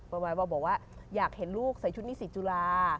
บอกว่าอยากเห็นลูกใส่ชุดนิสิตจุฬา